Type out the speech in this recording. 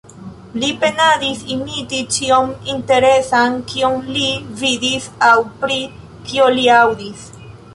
Li penadis imiti ĉion interesan, kion li vidis aŭ pri kio li aŭdis.